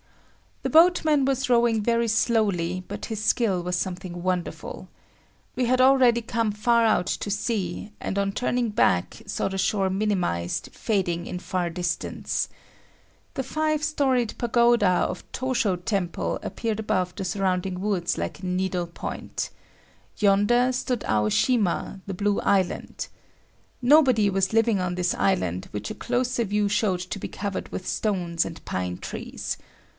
The boatman was rowing very slowly, but his skill was something wonderful. We had already come far out to sea, and on turning back, saw the shore minimized, fading in far distance. The five storied pagoda of Tosho Temple appeared above the surrounding woods like a needle point. Yonder stood Aoshima (Blue Island). Nobody was living on this island which a closer view showed to be covered with stones and pine trees.